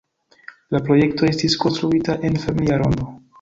La projekto estis konstruita en familia rondo.